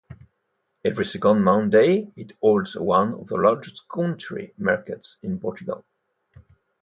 Every second Monday, it holds one of the largest country markets in Portugal.